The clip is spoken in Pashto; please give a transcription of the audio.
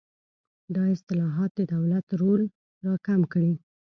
دا اصلاحات د دولت رول راکم کړي.